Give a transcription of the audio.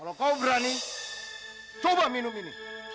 kalau kau berani coba minum ini